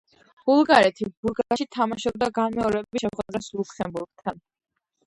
ბულგარეთი, ბურგასში თამაშობდა განმეორებით შეხვედრას ლუქსემბურგთან.